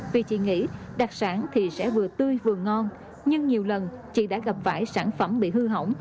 tuy chị nghĩ đặc sản thì sẽ vừa tươi vừa ngon nhưng nhiều lần chị đã gặp vải sản phẩm bị hư hỏng